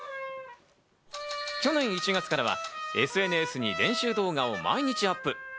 去年１月からはＳＮＳに練習動画を毎日アップ。